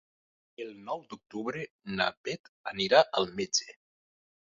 El nou d'octubre na Bet anirà al metge.